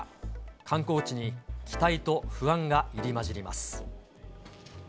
観光地に期待と不安が入り混じり